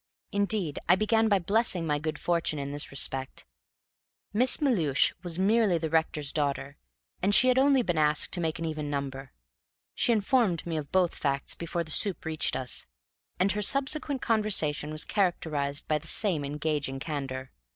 Indeed I began by blessing my good fortune in this respect. Miss Melhuish was merely the rector's daughter, and she had only been asked to make an even number. She informed me of both facts before the soup reached us, and her subsequent conversation was characterized by the same engaging candor.